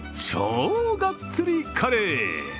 超がっつりカレー。